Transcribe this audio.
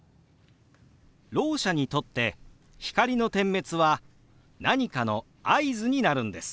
ろう者にとって光の点滅は何かの合図になるんです。